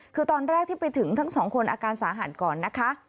คือตอนแรกที่ไปถึงทั้งสองคนอาการสาหัสก่อนนะคะ